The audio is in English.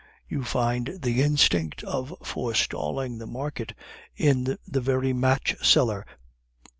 You find the instinct of forestalling the market in the very match seller.